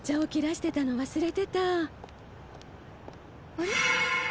あれ？